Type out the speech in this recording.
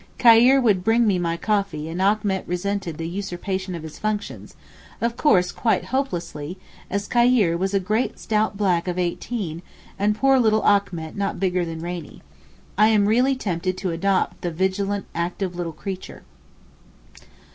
Khayr would bring me my coffee and Achmet resented the usurpation of his functions—of course quite hopelessly, as Khayr was a great stout black of eighteen and poor little Achmet not bigger than Rainie. I am really tempted to adopt the vigilant active little creature.